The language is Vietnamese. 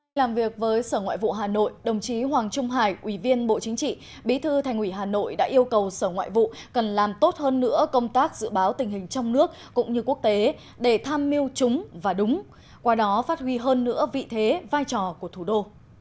khi làm việc với sở ngoại vụ hà nội đồng chí hoàng trung hải ủy viên bộ chính trị bí thư thành ủy hà nội đã yêu cầu sở ngoại vụ cần làm tốt hơn nữa công tác dự báo tình hình trong nước cũng như quốc tế để tham mưu chúng và đúng qua đó phát huy hơn nữa vị thế vai trò của thủ đô